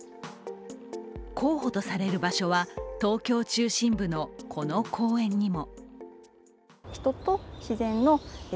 候補とされる場所は東京中心部のこの公園にも。